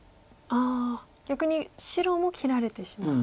ああ逆に白も切られてしまう。